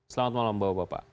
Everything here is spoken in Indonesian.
selamat malam bapak bapak